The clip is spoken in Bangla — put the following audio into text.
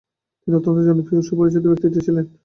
তিনি অত্যন্ত জনপ্রিয় ও সুপরিচিত ব্যক্তিত্ব ছিলেন।